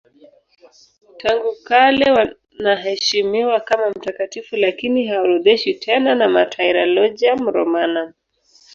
Tangu kale wanaheshimiwa kama mtakatifu lakini haorodheshwi tena na Martyrologium Romanum.